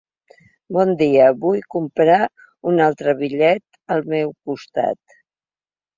Bon dia, vull comprar un altre bitllet al meu costat.